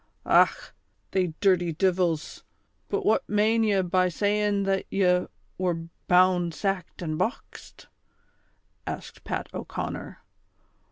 "Och! they dirty divils ; but what mane ye by sayin' that ye were 'bound, sacked and boxed i" " asked Pat O 'Conner.